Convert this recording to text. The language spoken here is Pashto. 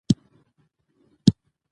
قانون د ادارې د کړنو معیار ټاکي.